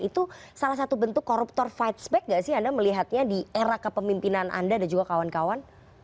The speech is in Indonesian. itu salah satu bentuk koruptor fight back gak sih anda melihatnya di era kepemimpinan anda dan juga kawan kawan